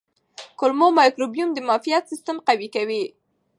کولمو مایکروبیوم د معافیت سیستم قوي کوي.